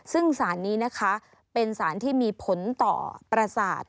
ซึ่งสารนี้นะคะเป็นสารที่มีผลต่อประสาท